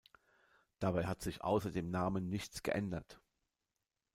Dabei hat sich außer dem Namen nichts geändert.